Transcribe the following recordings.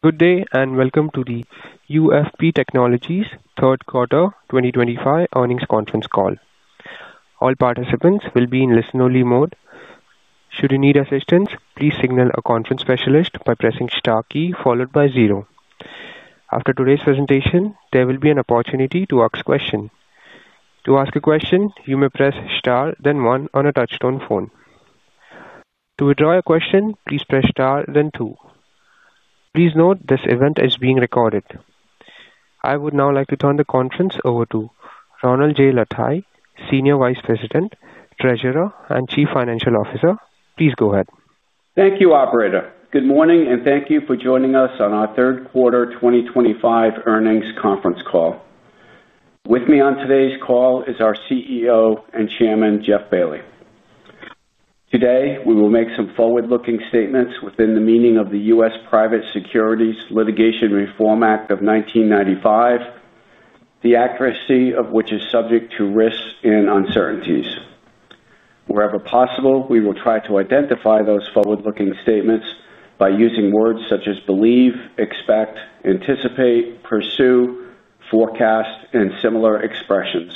Good day and welcome to the UFP Technologies third quarter 2025 earnings conference call. All participants will be in listen-only mode. Should you need assistance, please signal a conference specialist by pressing the star key followed by zero. After today's presentation, there will be an opportunity to ask a question. To ask a question, you may press star then one on a touchstone phone. To withdraw a question, please press star then two. Please note this event is being recorded. I would now like to turn the conference over to Ronald J. Lataille, Senior Vice President, Treasurer, and Chief Financial Officer. Please go ahead. Thank you, Operator. Good morning and thank you for joining us on our third quarter 2025 earnings conference call. With me on today's call is our CEO and Chairman, Jeff Bailly. Today, we will make some forward-looking statements within the meaning of the U.S. Private Securities Litigation Reform Act of 1995, the accuracy of which is subject to risks and uncertainties. Wherever possible, we will try to identify those forward-looking statements by using words such as believe, expect, anticipate, pursue, forecast, and similar expressions.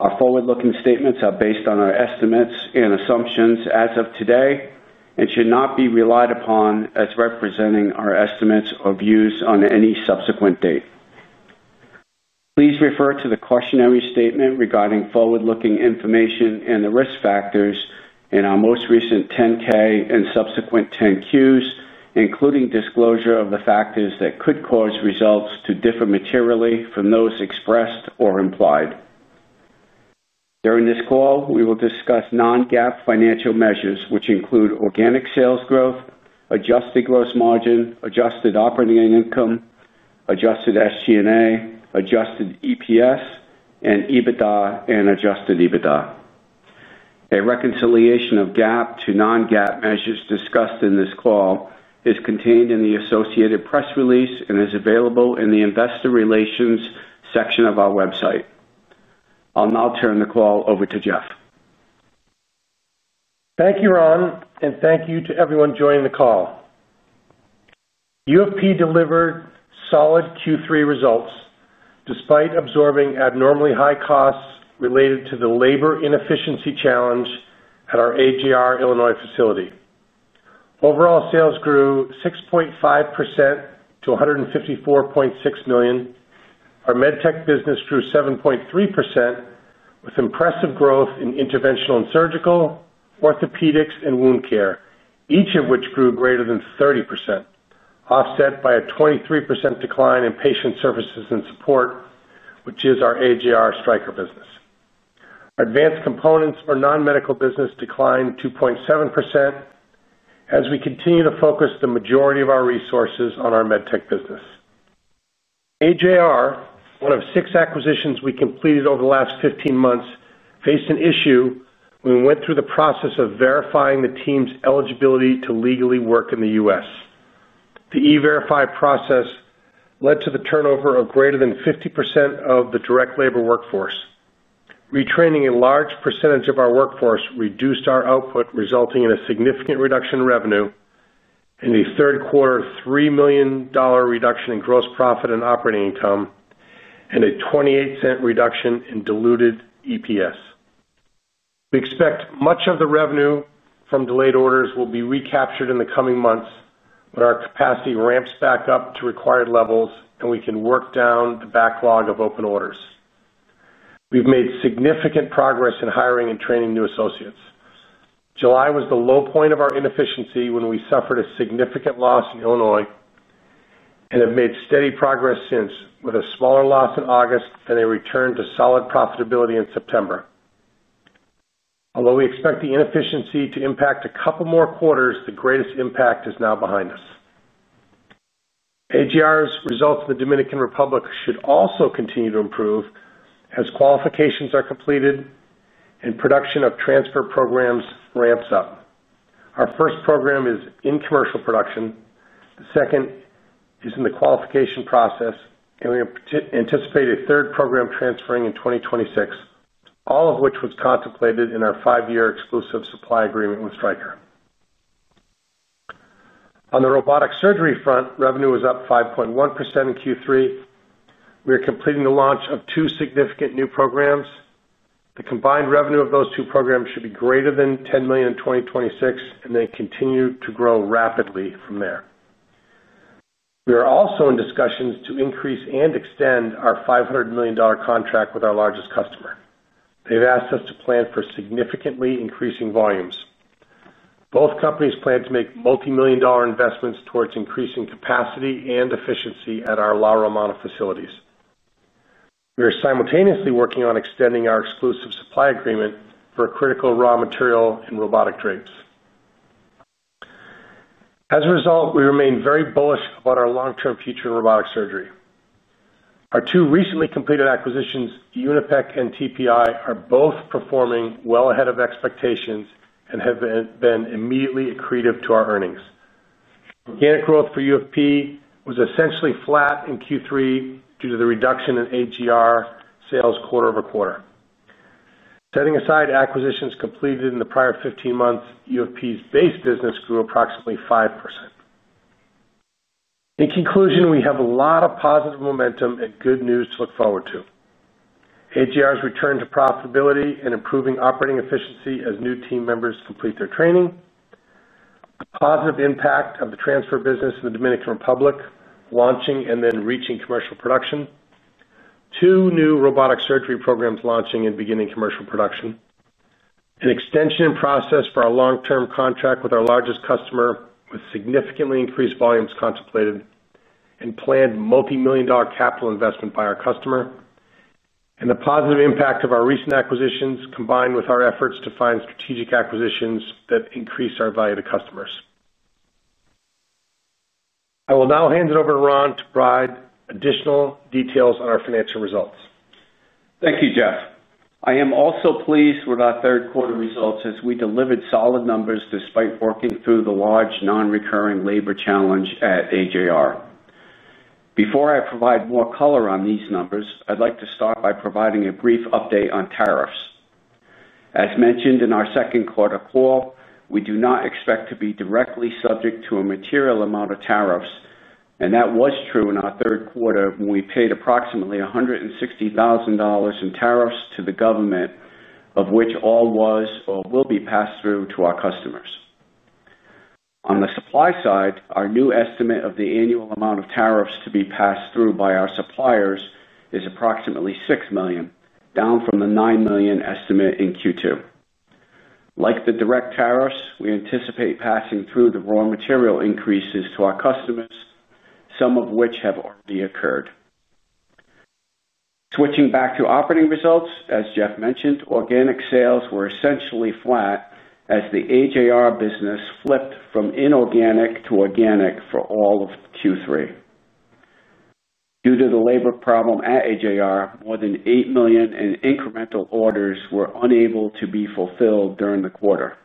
Our forward-looking statements are based on our estimates and assumptions as of today and should not be relied upon as representing our estimates or views on any subsequent date. Please refer to the cautionary statement regarding forward-looking information and the risk factors in our most recent 10-K and subsequent 10-Qs, including disclosure of the factors that could cause results to differ materially from those expressed or implied. During this call, we will discuss non-GAAP financial measures, which include organic sales growth, adjusted gross margin, adjusted operating income, adjusted SG&A, adjusted EPS, and EBITDA and adjusted EBITDA. A reconciliation of GAAP to non-GAAP measures discussed in this call is contained in the associated press release and is available in the investor relations section of our website. I'll now turn the call over to Jeff. Thank you, Ron, and thank you to everyone joining the call. UFP delivered solid Q3 results despite absorbing abnormally high costs related to the labor inefficiency challenge at our AJR Illinois facility. Overall sales grew 6.5% to $154.6 million. Our MedTech business grew 7.3% with impressive growth in interventional and surgical, orthopedics, and wound care, each of which grew greater than 30%, offset by a 23% decline in patient services and support, which is our AJR Stryker business. Our advanced components or non-medical business declined 2.7% as we continue to focus the majority of our resources on our MedTech business. AJR, one of six acquisitions we completed over the last 15 months, faced an issue when we went through the process of verifying the team's eligibility to legally work in the U.S. The E-Verify process led to the turnover of greater than 50% of the direct labor workforce. Retraining a large percentage of our workforce reduced our output, resulting in a significant reduction in revenue, and a third quarter $3 million reduction in gross profit and operating income, and a 28% reduction in diluted EPS. We expect much of the revenue from delayed orders will be recaptured in the coming months when our capacity ramps back up to required levels and we can work down the backlog of open orders. We've made significant progress in hiring and training new associates. July was the low point of our inefficiency when we suffered a significant loss in Illinois and have made steady progress since with a smaller loss in August and a return to solid profitability in September. Although we expect the inefficiency to impact a couple more quarters, the greatest impact is now behind us. AJR's results in the Dominican Republic should also continue to improve as qualifications are completed and production of transfer programs ramps up. Our first program is in commercial production. The second is in the qualification process, and we anticipate a third program transferring in 2026, all of which was contemplated in our five-year exclusive supply agreement with Stryker. On the robotic surgery front, revenue was up 5.1% in Q3. We are completing the launch of two significant new programs. The combined revenue of those two programs should be greater than $10 million in 2026, and they continue to grow rapidly from there. We are also in discussions to increase and extend our $500 million contract with our largest customer. They've asked us to plan for significantly increasing volumes. Both companies plan to make multimillion-dollar investments towards increasing capacity and efficiency at our La Romana facilities. We are simultaneously working on extending our exclusive supply agreement for critical raw material and robotic drapes. As a result, we remain very bullish about our long-term future in robotic surgery. Our two recently completed acquisitions, UNIPEC and TPI, are both performing well ahead of expectations and have been immediately accretive to our earnings. Organic growth for UFP was essentially flat in Q3 due to the reduction in AJR sales quarter over quarter. Setting aside acquisitions completed in the prior 15 months, UFP's base business grew approximately 5%. In conclusion, we have a lot of positive momentum and good news to look forward to. AJR's return to profitability and improving operating efficiency as new team members complete their training, a positive impact of the transfer business in the Dominican Republic launching and then reaching commercial production. Two new robotic surgery programs launching and beginning commercial production. An extension in process for our long-term contract with our largest customer with significantly increased volumes contemplated, and planned multimillion-dollar capital investment by our customer, and the positive impact of our recent acquisitions combined with our efforts to find strategic acquisitions that increase our value to customers. I will now hand it over to Ron to provide additional details on our financial results. Thank you, Jeff. I am also pleased with our third quarter results as we delivered solid numbers despite working through the large non-recurring labor challenge at AJR. Before I provide more color on these numbers, I'd like to start by providing a brief update on tariffs. As mentioned in our second quarter call, we do not expect to be directly subject to a material amount of tariffs, and that was true in our third quarter when we paid approximately $160,000 in tariffs to the government, of which all was or will be passed through to our customers. On the supply side, our new estimate of the annual amount of tariffs to be passed through by our suppliers is approximately $6 million, down from the $9 million estimate in Q2. Like the direct tariffs, we anticipate passing through the raw material increases to our customers, some of which have already occurred. Switching back to operating results, as Jeff mentioned, organic sales were essentially flat as the AJR business flipped from inorganic to organic for all of Q3. Due to the labor problem at AJR, more than $8 million in incremental orders were unable to be fulfilled during the quarter.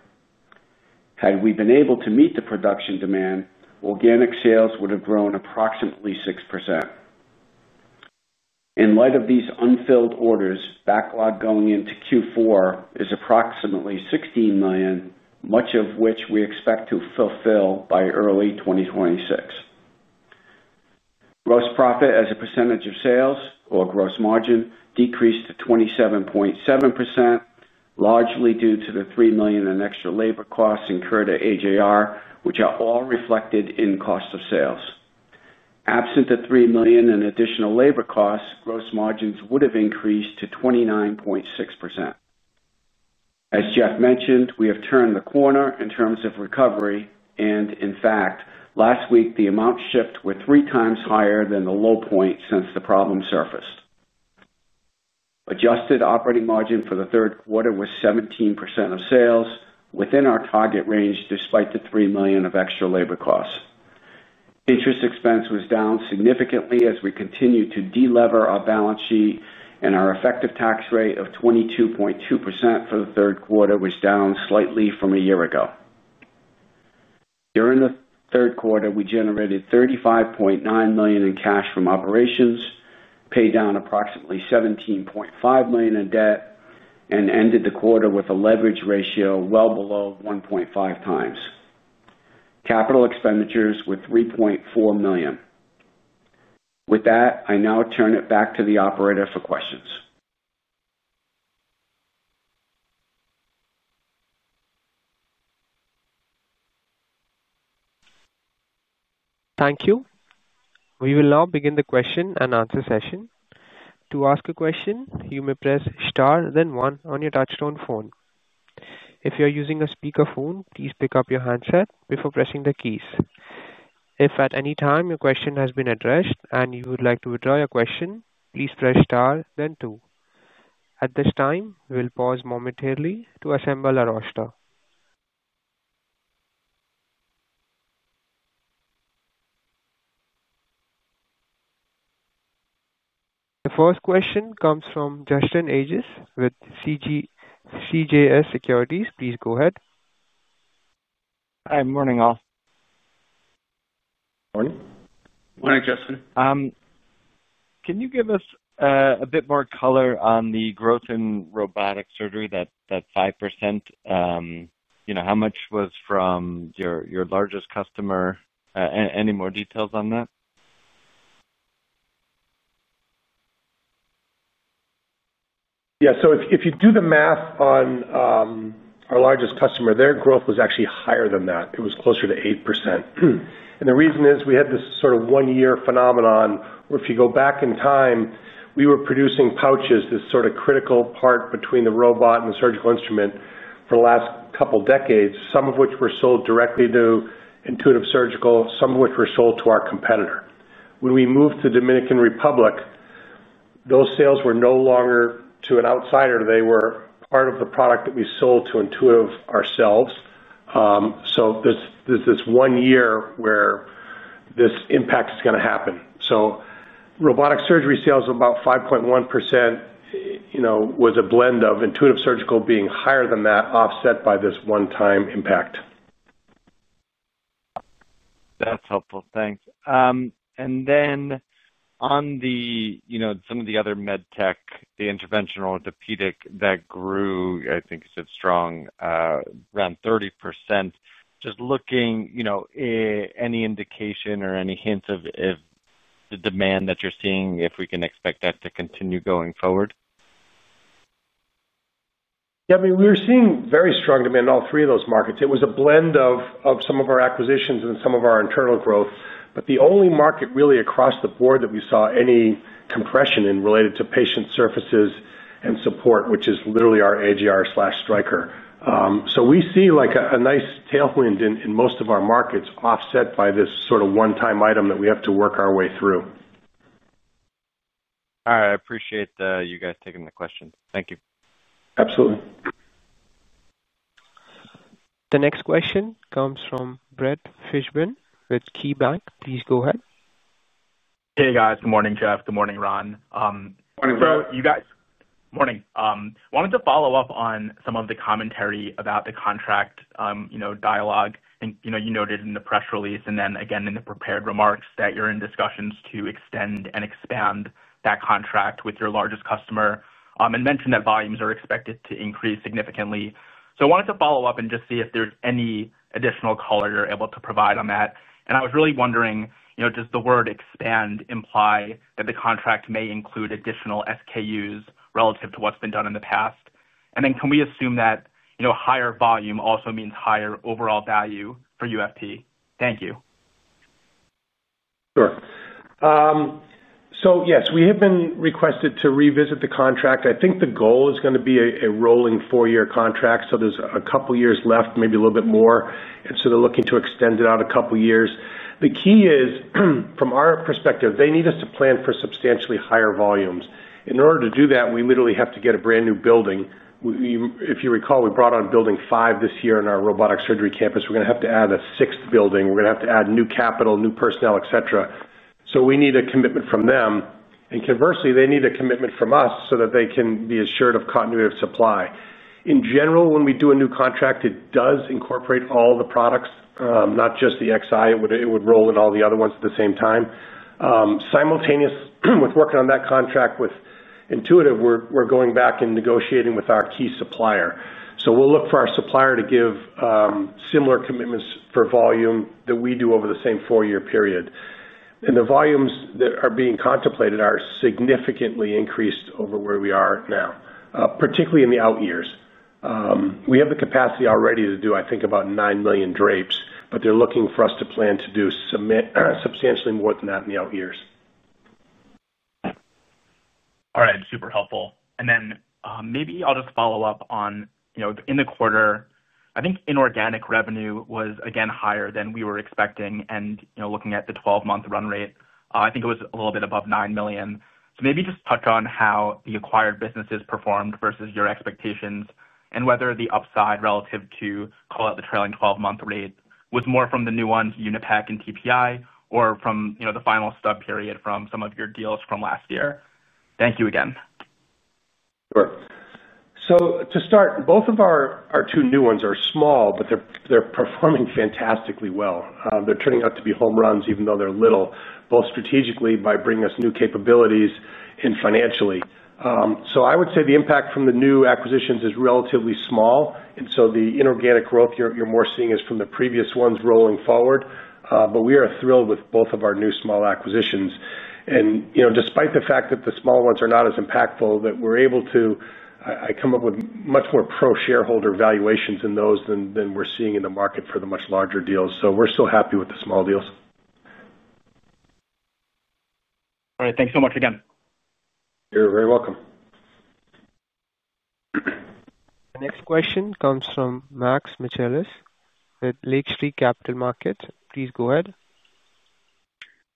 Had we been able to meet the production demand, organic sales would have grown approximately 6%. In light of these unfilled orders, backlog going into Q4 is approximately $16 million, much of which we expect to fulfill by early 2026. Gross profit as a percentage of sales, or gross margin, decreased to 27.7%. Largely due to the $3 million in extra labor costs incurred at AJR, which are all reflected in cost of sales. Absent the $3 million in additional labor costs, gross margins would have increased to 29.6%. As Jeff mentioned, we have turned the corner in terms of recovery, and in fact, last week, the amount shipped was 3x higher than the low point since the problem surfaced. Adjusted operating margin for the third quarter was 17% of sales, within our target range despite the $3 million of extra labor costs. Interest expense was down significantly as we continued to delever our balance sheet, and our effective tax rate of 22.2% for the third quarter was down slightly from a year ago. During the third quarter, we generated $35.9 million in cash from operations, paid down approximately $17.5 million in debt, and ended the quarter with a leverage ratio well below 1.5x. Capital expenditures were $3.4 million. With that, I now turn it back to the operator for questions. Thank you. We will now begin the question and answer session. To ask a question, you may press star then one on your touchstone phone. If you are using a speakerphone, please pick up your handset before pressing the keys. If at any time your question has been addressed and you would like to withdraw your question, please press star then two. At this time, we'll pause momentarily to assemble our roster. The first question comes from Justin Ages with CJS Securities. Please go ahead. Hi. Morning, all. Morning. Morning, Justin. Can you give us a bit more color on the growth in robotic surgery, that 5%? You know, how much was from your largest customer? Any more details on that? Yeah. So if you do the math on, our largest customer, their growth was actually higher than that. It was closer to 8%. And the reason is we had this sort of one-year phenomenon where if you go back in time, we were producing pouches, this sort of critical part between the robot and the surgical instrument for the last couple of decades, some of which were sold directly to Intuitive Surgical, some of which were sold to our competitor. When we moved to the Dominican Republic, those sales were no longer to an outsider. They were part of the product that we sold to Intuitive ourselves. So there is this one year where this impact is going to happen. So robotic surgery sales of about 5.1%, you know, was a blend of Intuitive Surgical being higher than that, offset by this one-time impact. That's helpful. Thanks. And then, on the, you know, some of the other MedTech, the interventional, orthopedic, that grew, I think you said strong, around 30%. Just looking, you know, any indication or any hints of the demand that you're seeing, if we can expect that to continue going forward? Yeah. I mean, we were seeing very strong demand in all three of those markets. It was a blend of some of our acquisitions and some of our internal growth. The only market really across the board that we saw any compression in related to patient surfaces and support, which is literally our AJR/Stryker. We see like a nice tailwind in most of our markets, offset by this sort of one-time item that we have to work our way through. All right. I appreciate you guys taking the question. Thank you. Absolutely. The next question comes from Brett Fishbin with KeyBanc. Please go ahead. Hey, guys. Good morning, Jeff. Good morning, Ron. Morning, bro. You guys, morning. I wanted to follow up on some of the commentary about the contract, you know, dialogue, and, you know, you noted in the press release and then again in the prepared remarks that you're in discussions to extend and expand that contract with your largest customer, and mentioned that volumes are expected to increase significantly. I wanted to follow up and just see if there's any additional color you're able to provide on that. I was really wondering, you know, does the word expand imply that the contract may include additional SKUs relative to what's been done in the past? Can we assume that, you know, higher volume also means higher overall value for UFP? Thank you. Sure. So yes, we have been requested to revisit the contract. I think the goal is going to be a rolling four-year contract, so there's a couple of years left, maybe a little bit more. They are looking to extend it out a couple of years. The key is, from our perspective, they need us to plan for substantially higher volumes. In order to do that, we literally have to get a brand new building. If you recall, we brought on Building 5 this year in our robotic surgery campus. We're going to have to add a sixth building. We're going to have to add new capital, new personnel, et cetera. We need a commitment from them. Conversely, they need a commitment from us so that they can be assured of continuity of supply. In general, when we do a new contract, it does incorporate all the products, not just the XI. It would roll in all the other ones at the same time. Simultaneous with working on that contract with Intuitive, we're going back and negotiating with our key supplier. We'll look for our supplier to give similar commitments for volume that we do over the same four-year period. The volumes that are being contemplated are significantly increased over where we are now, particularly in the out years. We have the capacity already to do, I think, about $9 million drapes, but they're looking for us to plan to do substantially more than that in the out years. All right. Super helpful. Maybe I'll just follow up on, you know, in the quarter, I think inorganic revenue was, again, higher than we were expecting. You know, looking at the 12-month run rate, I think it was a little bit above $9 million. Maybe just touch on how the acquired businesses performed versus your expectations and whether the upside relative to, call it, the trailing 12-month rate, was more from the new ones, UNIPEC and TPI, or from, you know, the final stub period from some of your deals from last year. Thank you again. Sure. To start, both of our two new ones are small, but they're performing fantastically well. They're turning out to be home runs even though they're little, both strategically by bringing us new capabilities and financially. I would say the impact from the new acquisitions is relatively small. The inorganic growth you're more seeing is from the previous ones rolling forward. We are thrilled with both of our new small acquisitions. You know, despite the fact that the small ones are not as impactful, we're able to come up with much more pro-shareholder valuations in those than we're seeing in the market for the much larger deals. We're still happy with the small deals. All right. Thanks so much again. You're very welcome. The next question comes from Max Michaelis with Lake Street Capital Markets. Please go ahead.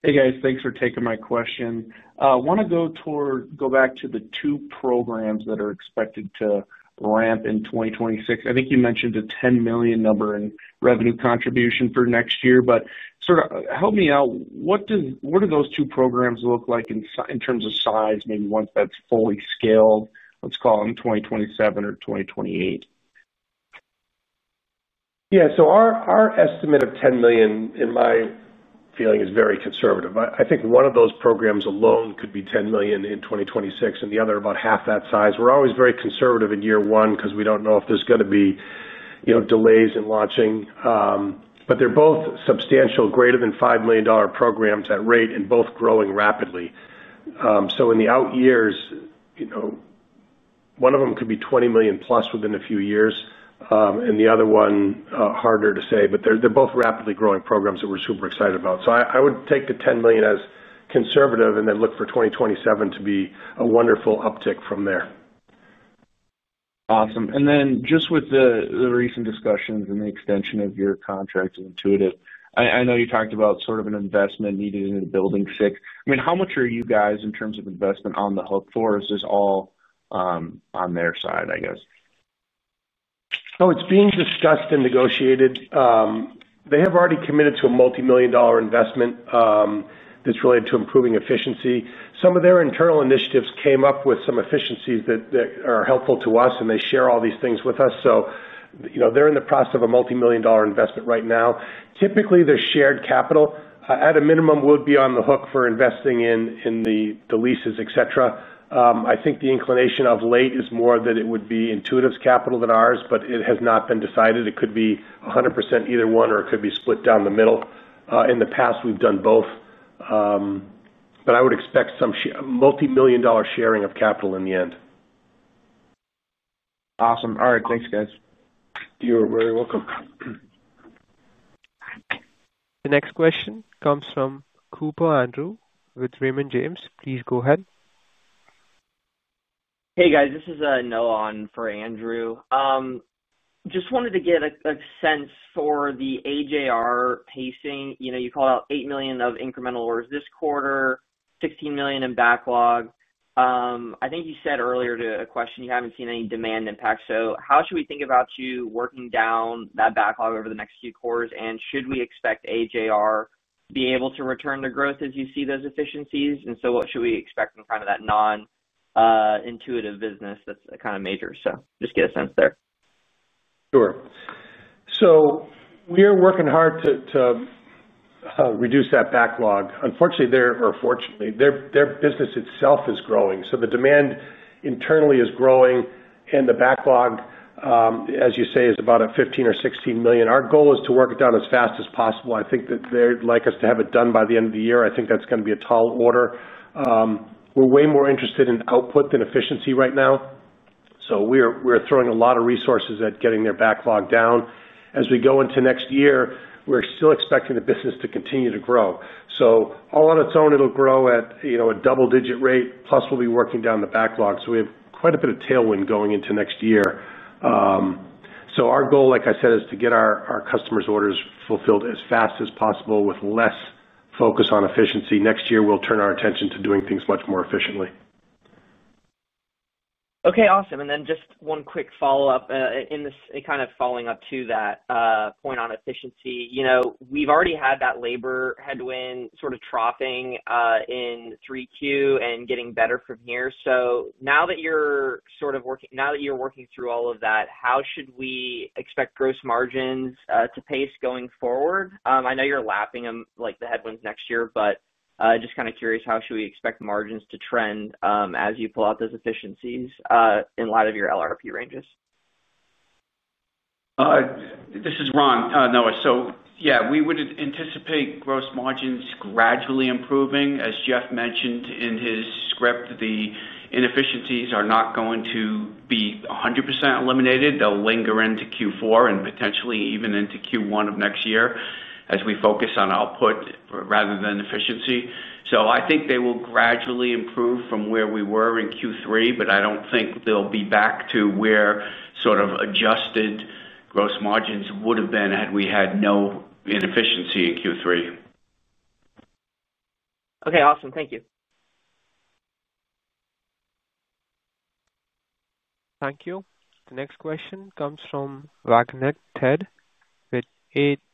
Hey, guys. Thanks for taking my question. I want to go toward, go back to the two programs that are expected to ramp in 2026. I think you mentioned a $10 million number in revenue contribution for next year. But sort of help me out. What does, what do those two programs look like in terms of size, maybe once that's fully scaled, let's call it in 2027 or 2028? Yeah. So our estimate of $10 million, in my feeling, is very conservative. I think one of those programs alone could be $10 million in 2026, and the other about half that size. We're always very conservative in year one because we don't know if there's going to be, you know, delays in launching. but they're both substantial, greater than $5 million programs at rate and both growing rapidly. so in the out years, you know. One of them could be $20 million+ within a few years. and the other one, harder to say. But they're both rapidly growing programs that we're super excited about. So I would take the $10 million as conservative and then look for 2027 to be a wonderful uptick from there. Awesome. Then just with the recent discussions and the extension of your contract with Intuitive, I know you talked about sort of an investment needed in the Building 6. I mean, how much are you guys in terms of investment on the hook for? Is this all, on their side, I guess? Oh, it's being discussed and negotiated. They have already committed to a multi-million dollar investment, that's related to improving efficiency. Some of their internal initiatives came up with some efficiencies that are helpful to us, and they share all these things with us. You know, they're in the process of a multi-million dollar investment right now. Typically, their shared capital, at a minimum, would be on the hook for investing in the leases, et cetera. I think the inclination of late is more that it would be Intuitive's capital than ours, but it has not been decided. It could be 100% either one, or it could be split down the middle. In the past, we've done both. I would expect some multi-million dollar sharing of capital in the end. Awesome. All right. Thanks, guys. You're very welcome. The next question comes from Cooper Andrew with Raymond James. Please go ahead. Hey, guys. This is Noah for Andrew. Just wanted to get a sense for the AJR pacing. You know, you called out $8 million of incremental orders this quarter, $16 million in backlog. I think you said earlier to a question, you haven't seen any demand impact. How should we think about you working down that backlog over the next few quarters? Should we expect AJR to be able to return to growth as you see those efficiencies? What should we expect from kind of that non-Intuitive business that's kind of major? Just get a sense there. Sure. We are working hard to reduce that backlog. Unfortunately, or fortunately, their business itself is growing. The demand internally is growing, and the backlog, as you say, is about at $15 million or $16 million. Our goal is to work it down as fast as possible. I think that they'd like us to have it done by the end of the year. I think that's going to be a tall order. We're way more interested in output than efficiency right now. We are throwing a lot of resources at getting their backlog down. As we go into next year, we're still expecting the business to continue to grow. All on its own, it'll grow at, you know, a double-digit rate. Plus, we'll be working down the backlog. We have quite a bit of tailwind going into next year. Our goal, like I said, is to get our customers' orders fulfilled as fast as possible with less focus on efficiency. Next year, we'll turn our attention to doing things much more efficiently. Okay. Awesome. And then just one quick follow-up in this, kind of following up to that point on efficiency. You know, we've already had that labor headwind sort of troughing in 3Q and getting better from here. So now that you're sort of working, now that you're working through all of that, how should we expect gross margins to pace going forward? I know you're lapping them, like the headwinds, next year, but just kind of curious, how should we expect margins to trend as you pull out those efficiencies, in light of your LRP ranges? This is Ron, Noah. Yeah, we would anticipate gross margins gradually improving. As Jeff mentioned in his script, the inefficiencies are not going to be 100% eliminated. They will linger into Q4 and potentially even into Q1 of next year as we focus on output rather than efficiency. I think they will gradually improve from where we were in Q3, but I do not think they will be back to where sort of adjusted gross margins would have been had we had no inefficiency in Q3. Okay. Awesome. Thank you. Thank you. The next question comes from.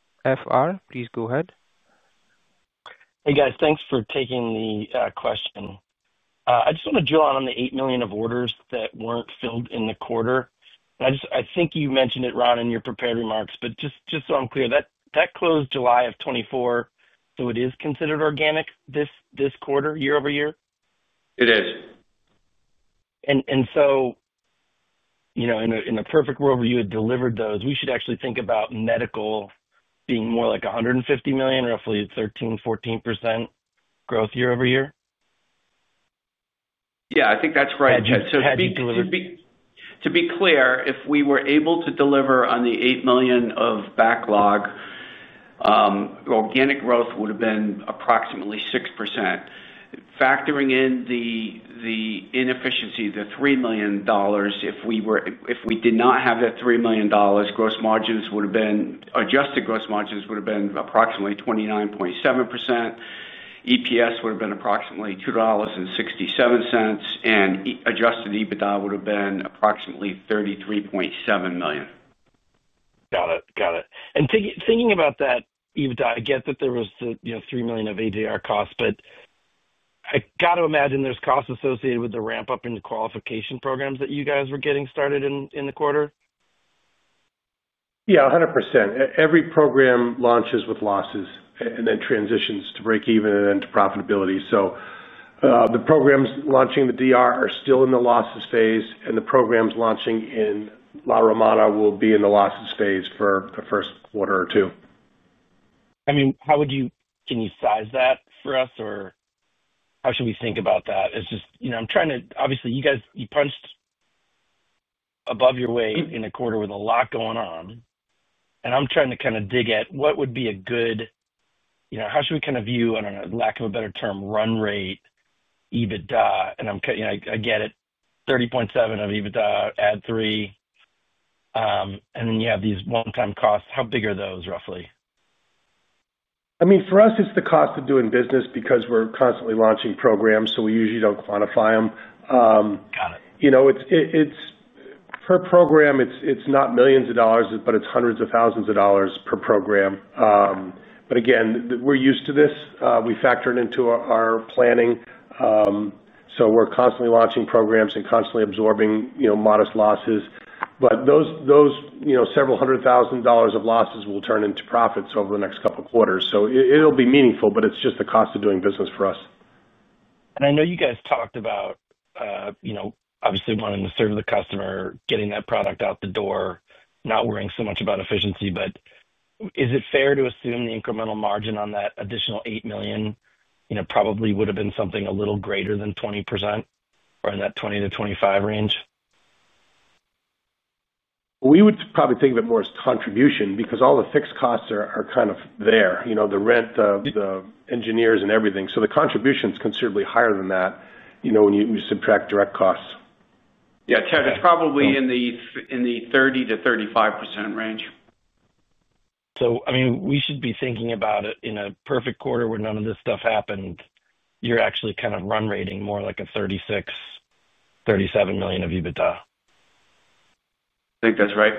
Please go ahead. Hey, guys. Thanks for taking the question. I just want to drill on the $8 million of orders that weren't filled in the quarter. I just, I think you mentioned it, Ron, in your prepared remarks, but just so I'm clear, that closed July of 2024, so it is considered organic this quarter, year-over-year? It is. You know, in a perfect world where you had delivered those, we should actually think about medical being more like $150 million, roughly 13%-14% growth year-over-year? Yeah. I think that's right. To be. To be clear, if we were able to deliver on the $8 million of backlog, organic growth would have been approximately 6%. Factoring in the inefficiency, the $3 million, if we did not have that $3 million, gross margins would have been, adjusted gross margins would have been approximately 29.7%. EPS would have been approximately $2.67, and adjusted EBITDA would have been approximately $33.7 million. Got it. Got it. Thinking about that EBITDA, I get that there was the, you know, $3 million of AJR costs, but I got to imagine there's costs associated with the ramp-up in the qualification programs that you guys were getting started in the quarter? Yeah, 100%. Every program launches with losses and then transitions to break-even and then to profitability. The programs launching in the DR are still in the losses phase, and the programs launching in La Romana will be in the losses phase for the first quarter or two. I mean, how would you, can you size that for us, or how should we think about that? It's just, you know, I'm trying to, obviously, you guys, you punched above your weight in a quarter with a lot going on. I'm trying to kind of dig at what would be a good, you know, how should we kind of view, I don't know, lack of a better term, run rate, EBITDA? I'm kind of, you know, I get it, 30.7 of EBITDA, add three, and then you have these one-time costs. How big are those roughly? I mean, for us, it's the cost of doing business because we're constantly launching programs, so we usually don't quantify them. Got it. You know, it's per program, it's not millions of dollars, but it's hundreds of thousands of dollars per program. But again, we're used to this. We factor it into our planning. So we're constantly launching programs and constantly absorbing, you know, modest losses. But those, those, you know, several hundred thousand dollars of losses will turn into profits over the next couple of quarters. So it'll be meaningful, but it's just the cost of doing business for us. I know you guys talked about, you know, obviously wanting to serve the customer, getting that product out the door, not worrying so much about efficiency. Is it fair to assume the incremental margin on that additional $8 million, you know, probably would have been something a little greater than 20% or in that 20%-25% range? We would probably think of it more as contribution because all the fixed costs are kind of there, you know, the rent, the engineers, and everything. So the contribution is considerably higher than that, you know, when you subtract direct costs. Yeah, Ted, it's probably in the 30%-35% range. So, I mean, we should be thinking about it in a perfect quarter where none of this stuff happened, you're actually kind of run rating more like a $36 million-$37 million of EBITDA. I think that's right.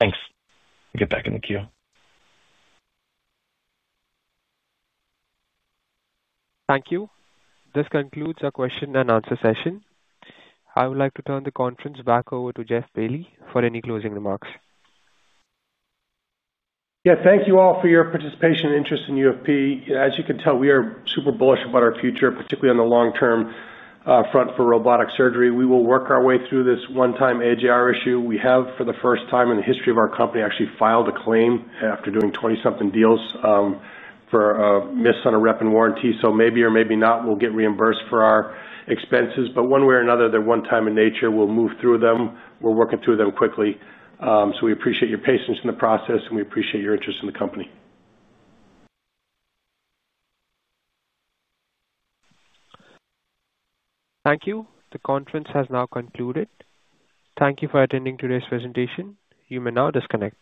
Thanks. We'll get back in the queue. Thank you. This concludes our question and answer session. I would like to turn the conference back over to Jeff Bailly for any closing remarks. Yeah. Thank you all for your participation and interest in UFP. As you can tell, we are super bullish about our future, particularly on the long-term, front for robotic surgery. We will work our way through this one-time AJR issue. We have, for the first time in the history of our company, actually filed a claim after doing 20-something deals, for a miss on a rep and warranty. Maybe or maybe not, we'll get reimbursed for our expenses. One way or another, they're one-time in nature. We'll move through them. We're working through them quickly. We appreciate your patience in the process, and we appreciate your interest in the company. Thank you. The conference has now concluded. Thank you for attending today's presentation. You may now disconnect.